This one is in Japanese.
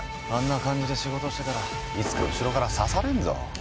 あんな感じで仕事してたらいつか後ろから刺されるぞ。